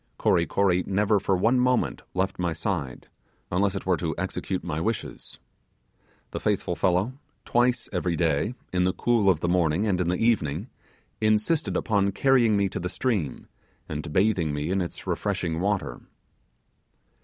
Kory Kory never for one moment left my side, unless it were to execute my wishes. The faithful fellow, twice every day, in the cool of the morning and in the evening, insisted upon carrying me to the stream, and bathing me in its refreshing water.